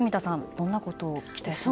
どんなことを期待しますか？